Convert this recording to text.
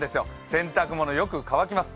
洗濯物、よく乾きます。